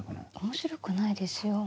面白くないですよ。